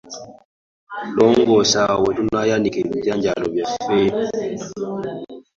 Longoosa we tunaayanika ebijanjaalo byaffe.